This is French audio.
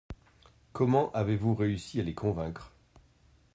Comment avez-vous réussi à les convaincre ?